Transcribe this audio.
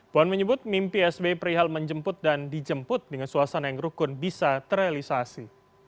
puan menyebut mimpi sbi perihal menjemput dan dijemput dengan suasana yang rukun bisa terrealisasi